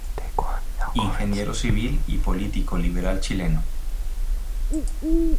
Ingeniero civil y político liberal chileno.